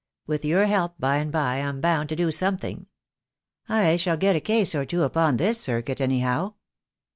With your help, by and by, I am bound to do something. I shall get a case or two upon this circuit, anyhow."